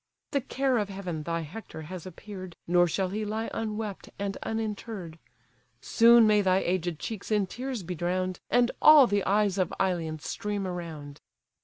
The care of heaven thy Hector has appear'd, Nor shall he lie unwept, and uninterr'd; Soon may thy aged cheeks in tears be drown'd, And all the eyes of Ilion stream around."